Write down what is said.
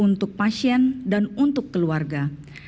untuk pasien dan untuk keluarga